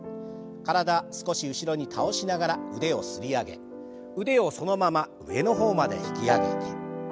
少し後ろに倒しながら腕をすり上げ腕をそのまま上の方まで引き上げて。